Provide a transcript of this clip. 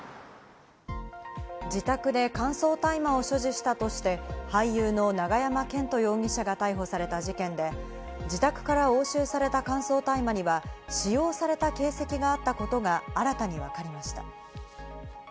自宅で乾燥大麻を所持したとして、俳優の永山絢斗容疑者が逮捕された事件で、自宅から押収された乾燥大麻には使用された形跡があったことが新たにわかりました。